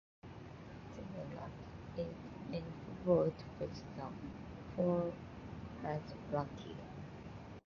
They may not eat any fruit which the foe has planted.